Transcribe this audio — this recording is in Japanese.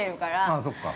◆ああ、そっか。